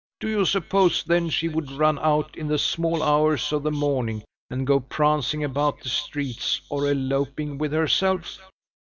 Do you suppose, then, she would run out in the small hours of the morning, and go prancing about the streets, or eloping with herself?"